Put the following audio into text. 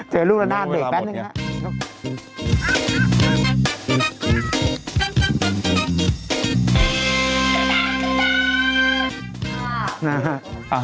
เจอลูกละงานเบกแปนหนึ่งละ